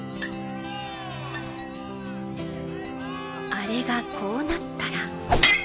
あれがこうなっタラ！